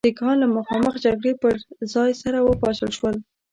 سیکهان له مخامخ جګړې پر ځای سره وپاشل شول.